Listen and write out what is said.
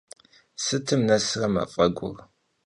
Sıtım nesre maf'egur?